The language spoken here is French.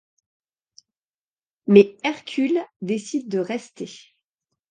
Mais Hercule décide de rester.